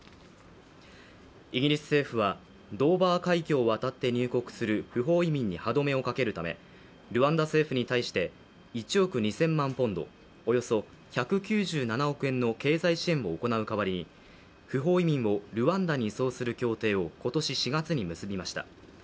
イギリス政府はドーバー海峡を渡って入国する不法移民に歯止めをかけるためルワンダ政府に対して１億２０００万ポンドおよそ１９７億円の経済支援を行う代わりに、不法移民をルワンダに移送する協定を今年４月に結びました。